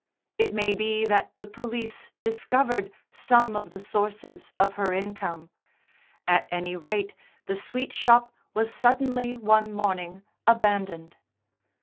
It may be that the police discovered some of the sources of her income; at any rate the sweetshop was suddenly, one morning, abandoned.